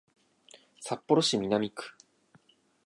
札幌市南区